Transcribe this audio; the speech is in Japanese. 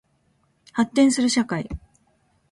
発展する社会